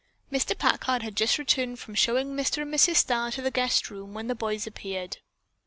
Mr. Packard had just returned from showing Mr. and Mrs. Starr to the guest room when the boys appeared.